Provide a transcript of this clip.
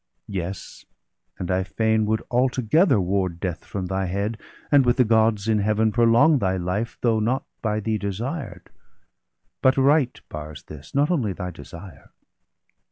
Yes, and I fain would altogether ward Death from thy head, and with the Gods in Heaven Prolong thy life, though not by thee desired — But right bars this, not only thy desire.